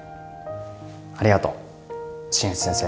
ありがとう新内先生。